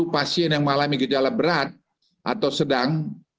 dua puluh tujuh pasien yang mengalami gejala berat atau sedang